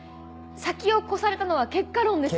先を越されたのは結果論です。